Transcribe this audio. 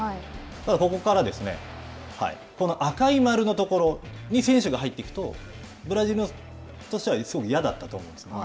ただ、ここからこの赤い丸のところに選手が入っていくとブラジルとしてはすごく嫌だったと思うんですね。